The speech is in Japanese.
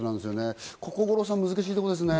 ここ五郎さん、難しいところですね。